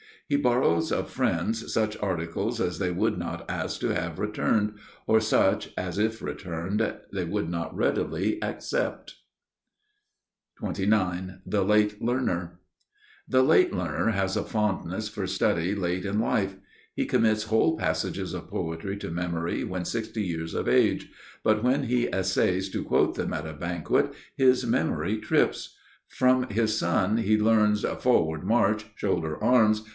He borrows of friends such articles as they would not ask to have returned, or such as, if returned, they would not readily accept. The deme was a local division. XXIX The Late Learner (Ὀψιμαθία) The late learner has a fondness for study late in life. He commits whole passages of poetry to memory when sixty years of age; but when he essays to quote them at a banquet his memory trips. From his son, he learns "Forward march!" "Shoulder arms!"